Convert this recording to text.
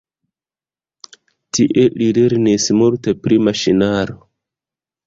Tie li lernis multe pri maŝinaro.